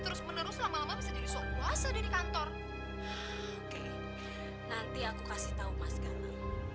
terus menerus lama lama bisa jadi puasa di kantor oke nanti aku kasih tahu mas gama